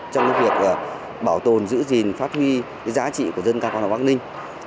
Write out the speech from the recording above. trong việc bảo tồn giữ gìn phát huy giá trị của dân ca quan họ bắc ninh